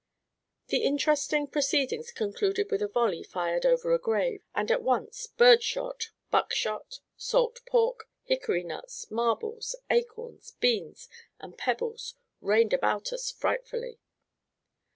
The interesting proceedings concluded with a volley fired over a grave, and at once bird shot, buck shot, salt pork, hickory nuts, marbles, acorns, beans, and pebbles rained about us frightfully.